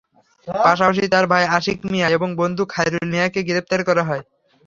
পাশাপাশি তাঁর ভাই আশিক মিয়া এবং বন্ধু খাইরুল মিয়াকে গ্রেপ্তার করা হয়।